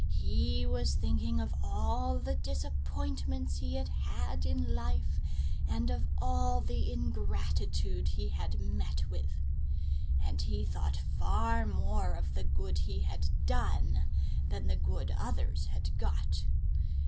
He was thinking of all the disappointments he had had in life, and of all the ingratitude he had met with. And he thought far more of the good he had done, than the good others had got.